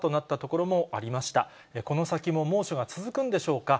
この先も猛暑が続くんでしょうか。